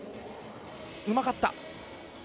うまかった！